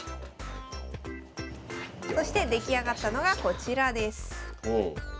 そして出来上がったのがこちらです。